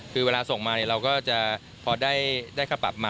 คือเวลาส่งมาเราก็จะพอได้ค่าปรับมา